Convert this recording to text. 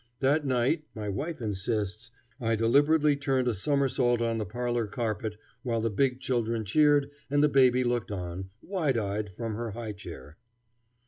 That night, my wife insists, I deliberately turned a somersault on the parlor carpet while the big children cheered and the baby looked on, wide eyed, from her high chair.